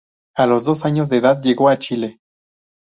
A los dos años de edad llegó a Chile.